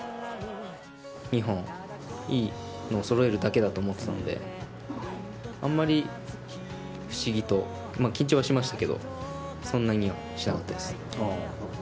２本いいのをそろえるだけだと思ってたので、あんまり不思議と、緊張はしましたけど、そんなにはしなかったです。